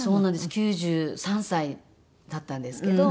９３歳だったんですけど。